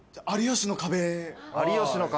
『有吉の壁』。